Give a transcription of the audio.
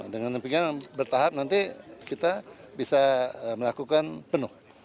dengan pikiran bertahap nanti kita bisa melakukan penuh